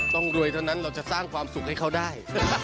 รวยเท่านั้นเราจะสร้างความสุขให้เขาได้